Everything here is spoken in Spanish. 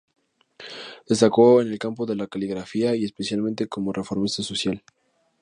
Destacó en el campo de la caligrafía y especialmente como reformista social.